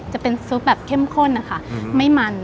จะเป็นซุปแบบเข้มข้นนะคะไม่มัน